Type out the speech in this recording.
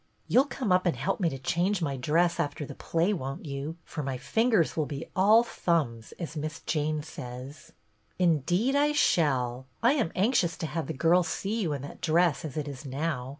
"You'll come up and help me to change my dress after the play, won't you ? For my fingers will all be thumbs, as Miss Jane says." " Indeed I shall. I am anxious to have the girls see you in that dress as it is now.